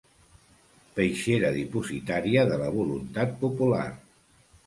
Peixera dipositària de la voluntat popular.